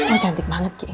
oh cantik banget gigi